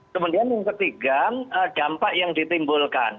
kemudian yang ketiga dampak yang ditimbulkan